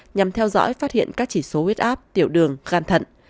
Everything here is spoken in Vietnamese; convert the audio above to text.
nhằm theo dõi phát hiện các chỉ số huyết áp tiểu đường gan thận